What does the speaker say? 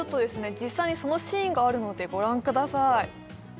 実際にそのシーンがあるのでご覧ください